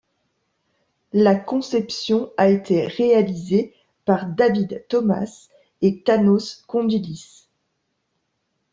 La conception a été réalisée par David Thomas et Thanos Condylis.